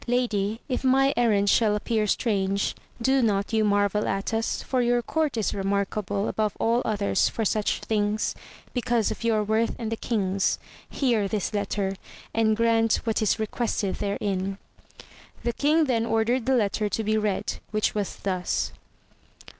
Lady, if my errand shall appear strange, do not you marvel at us, for your court is remarkable above all others for such things, because of your worth and the king's. Hear this letter, and grant what is requested therein. The king then ordered the letter to be read, which was thus.